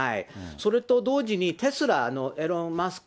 それと同時にテスラのイーロン・マスク